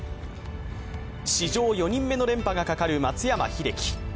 史上４人目の連覇がかかる松山英樹。